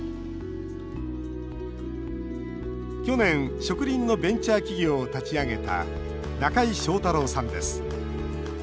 去年、植林のベンチャー企業を立ち上げた中井照大＊さんです。